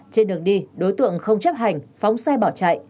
trên đường đi đối tượng không chấp hành phóng xe bỏ chạy